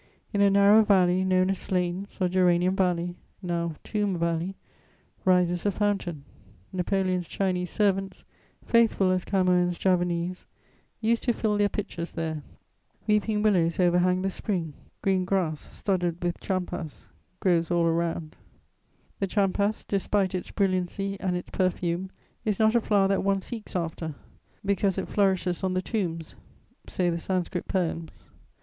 In a narrow valley known as Slane's or Geranium Valley, now Tomb Valley, rises a fountain; Napoleon's Chinese servants, faithful as Camoëns' Javanese, used to fill their pitchers there: weeping willows overhang the spring; green grass, studded with tchampas, grows all around: "The tchampas, despite its brilliancy and its perfume, is not a flower that one seeks after, because it flourishes on the tombs," say the Sanskrit poems.